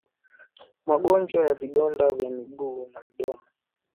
Magonjwa ya vidonda vya miguu na midomo